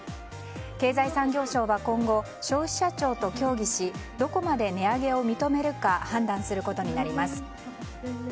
経済産業省は今後、消費者庁と協議しどこまで値上げを認めるか判断することになります。